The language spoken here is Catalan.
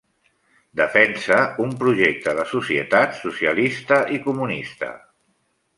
Defensa un projecte de societat socialista i comunista.